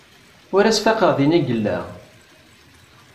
Ur as-faqeɣ din ay yella.